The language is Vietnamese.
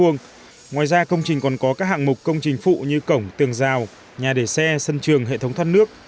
ngoài ra công trình còn có các hạng mục công trình phụ như cổng tường rào nhà để xe sân trường hệ thống thoát nước